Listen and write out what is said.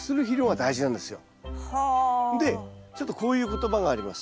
でちょっとこういう言葉があります。